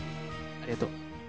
ありがとう。